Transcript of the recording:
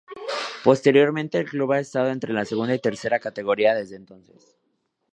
Posteriormente el club ha estado entre la segunda y tercera categoría desde entonces.